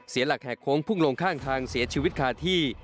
หลักแหกโค้งพุ่งลงข้างทางเสียชีวิตคาที่